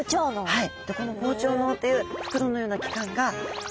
はい。